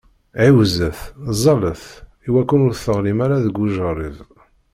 Ɛiwzet, ẓẓallet, iwakken ur tɣellim ara deg ujeṛṛeb!